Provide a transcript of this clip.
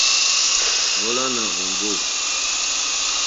Mólánà òŋɡô.